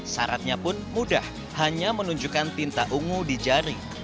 saratnya pun mudah hanya menunjukkan tinta ungu di jari